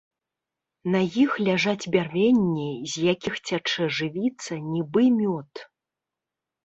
На іх ляжаць бярвенні, з якіх цячэ жывіца, нібы мёд.